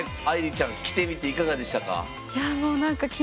愛莉ちゃん着てみていかがでしたか？